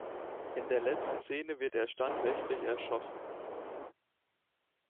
In der letzten Szene wird er standrechtlich erschossen.